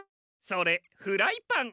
それフライパン。